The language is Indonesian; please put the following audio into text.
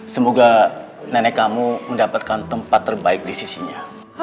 semoga nenek kamu mendapatkan tempat terbaik di sisinya